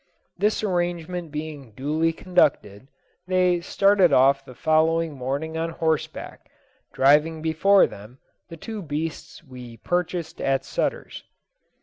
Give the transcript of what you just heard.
This arrangement being duly concluded, they started off the following morning on horseback, driving before them the two beasts we purchased at Sutter's.